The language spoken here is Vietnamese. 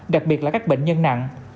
đặc biệt là các bệnh nhân nặng